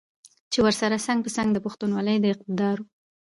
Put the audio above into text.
چې ورسره څنګ په څنګ د پښتونولۍ د اقدارو